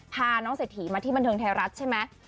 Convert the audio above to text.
พาน้องเศรษฐีมาที่บันเทิงไทยรัฐใช่ไหม